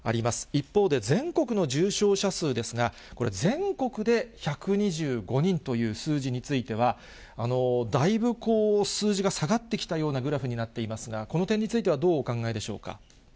一方で、全国の重症者数ですが、これ、全国で１２５人という数字については、だいぶ数字が下がってきたようなグラフになっていますが、この点については、どうお考えでしょうか。